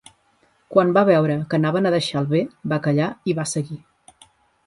Quan va veure que anaven a deixar el bé va callar i va seguir.